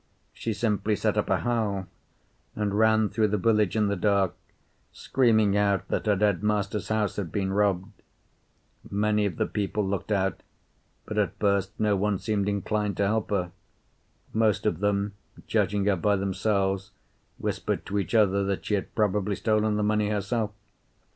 She simply set up a howl and ran through the village in the dark, screaming out that her dead master's house had been robbed. Many of the people looked out, but at first no one seemed inclined to help her. Most of them, judging her by themselves, whispered to each other that she had probably stolen the money herself.